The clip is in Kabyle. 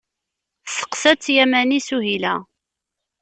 Testeqqsa-tt Yamani Suhila.